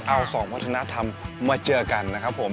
เอาสองวัฒนธรรมมาเจอกันนะครับผม